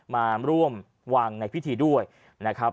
มาร่วมวางในพิธีด้วยนะครับ